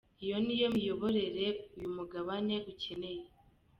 Iyo niyo miyoborere uyu mugabane ukeneye.